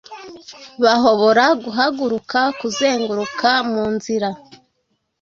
Bahobora guhaguruka, kuzenguruka munzira